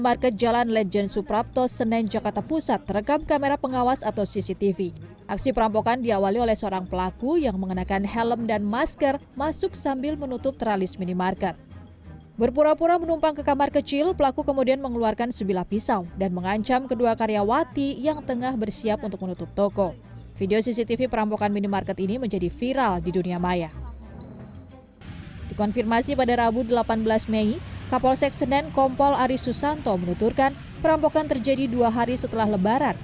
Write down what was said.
di konfirmasi pada rabu delapan belas mei kapol seksenen kompol ari susanto menuturkan perampokan terjadi dua hari setelah lebaran